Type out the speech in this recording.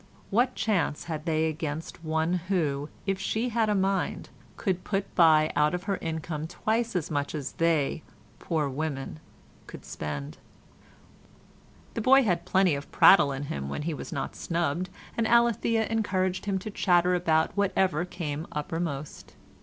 What chance had they against one who, if she had a mind, could put by out of her income twice as much as they, poor women, could spend? The boy had plenty of prattle in him when he was not snubbed, and Alethea encouraged him to chatter about whatever came uppermost.